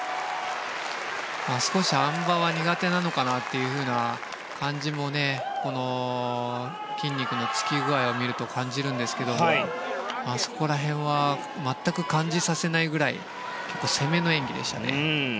少しあん馬は苦手なのかなっていう感じもこの筋肉のつき具合を見ると感じるんですけどもそこら辺は全く感じさせないぐらい攻めの演技でしたね。